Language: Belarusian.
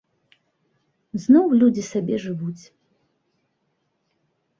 Зноў людзі сабе жывуць.